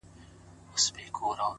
پر زود رنجۍ باندي مي داغ د دوزخونو وهم؛